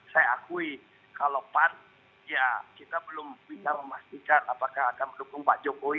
saya akui kalau pan ya kita belum bisa memastikan apakah akan mendukung pak jokowi